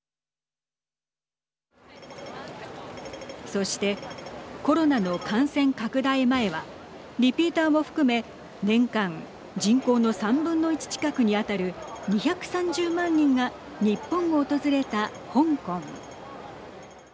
そして、コロナの感染拡大前はリピーターも含め、年間人口の３分の１近くに当たる２３０万人が日本を訪れた香港。